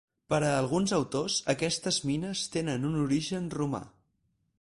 Per alguns autors aquestes mines tenen un origen romà.